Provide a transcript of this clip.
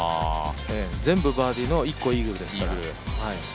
全部バーディーの１個イーグルですからね。